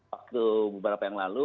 waktu beberapa yang lalu